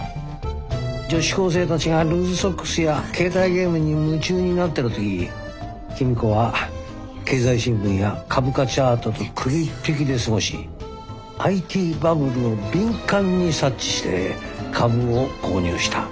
女子高生たちがルーズソックスや携帯ゲームに夢中になってる時公子は経済新聞や株価チャートと首っ引きで過ごしＩＴバブルを敏感に察知して株を購入した。